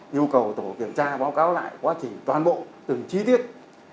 yêu cầu tổ kiểm tra báo cáo lại quá trình toàn bộ từng chi tiết